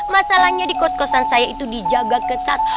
masalahnya di kos kosan saya itu dijaga ketat